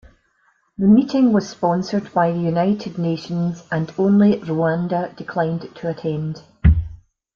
The meeting was sponsored by the United Nations, and only Rwanda declined to attend.